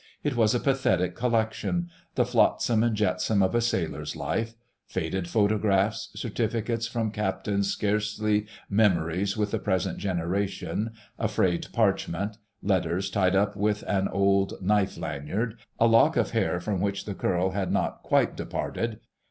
It was a pathetic collection, the flotsam and jetsam of a sailor's life: faded photographs, certificates from Captains scarcely memories with the present generation, a frayed parchment, letters tied up with an old knife lanyard, a lock of hair from which the curl had not quite departed